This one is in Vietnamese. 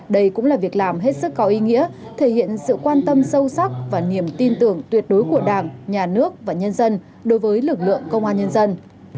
đây cũng là việc làm hết sức có ý nghĩa thể hiện sự quan tâm sâu sắc và niềm tin tưởng tuyệt đối của đảng nhà nước và nhân dân đối với lực lượng công an nhân dân